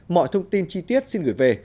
mọi thông tin chi tiết xin gửi về